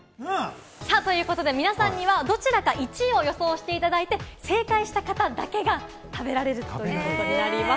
皆さんには、どちらか、１位を予想していただいて、正解した方だけが食べられるということになります。